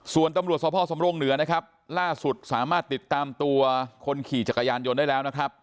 ส่วนตำรวจสภสำรงเหนือนะครับล่าสุดสามารถติดตามตัวคนขี่จักรยานยนต์ได้แล้วนะครับ